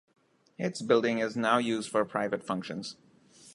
Its building is now used for private functions.